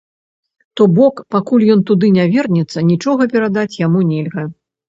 То бок, пакуль ён туды не вернецца, нічога перадаць яму нельга.